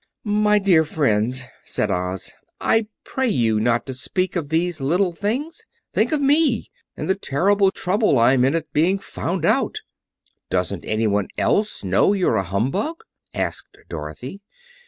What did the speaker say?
"My dear friends," said Oz, "I pray you not to speak of these little things. Think of me, and the terrible trouble I'm in at being found out." "Doesn't anyone else know you're a humbug?" asked Dorothy.